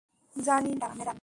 জানি না, ম্যাডাম।